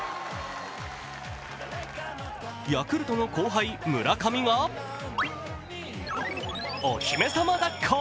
ヤクルトの後輩・村上がお姫様だっこ。